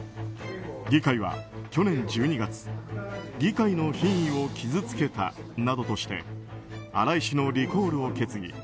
議会は去年１２月議会の品位を傷つけたなどとして新井氏のリコールを決議。